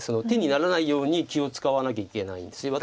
手にならないように気を使わなきゃいけないんです。